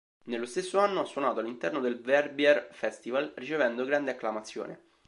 Nello stesso anno ha suonato all'interno del Verbier Festival ricevendo grande acclamazione.